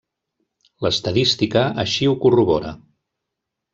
L'estadística així ho corrobora.